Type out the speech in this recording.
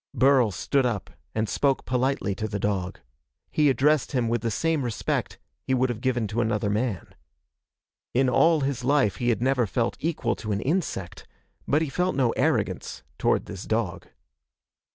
Burl stood up and spoke politely to the dog. He addressed him with the same respect he would have given to another man. In all his life he had never felt equal to an insect, but he felt no arrogance toward this dog.